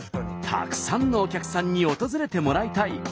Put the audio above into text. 「たくさんのお客さんに訪れてもらいたい」。